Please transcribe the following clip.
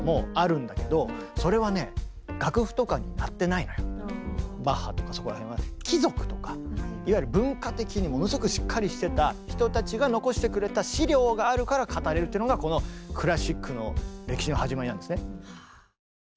いわゆるポップスバッハとかそこら辺はね貴族とかいわゆる文化的にものすごくしっかりしてた人たちがのこしてくれた資料があるから語れるっていうのがこのクラシックの歴史の始まりなんですね。